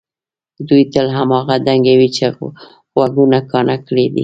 دوی تل هماغه ډنګوي چې غوږونه کاڼه کړي دي.